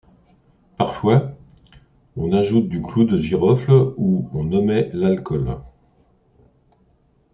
Parfois, on ajoute du clou de girofle ou on omet l'alcool.